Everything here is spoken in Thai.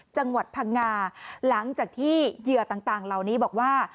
จังหวัดพังงาหลังจากที่เหยื่อต่างเหล่านี้บอกว่า